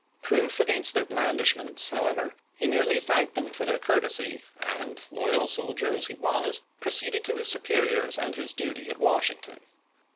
Proof against their blandishments, however, he merely thanked them for their courtesy, and, loyal soldier as he was, proceeded to his superiors and his duty at Washington.